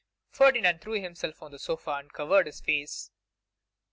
Ferdinand threw himself on the sofa and covered his face.